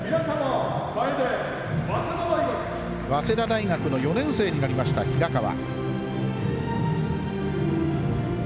早稲田大学の４年生になりました平河。